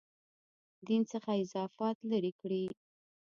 دین څخه اضافات لرې کړي.